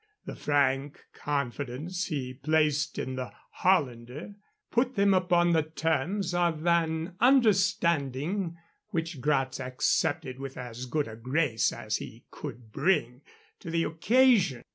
The frank confidence he placed in the Hollander put them upon the terms of an understanding which Gratz accepted with as good a grace as he could bring to the occasion.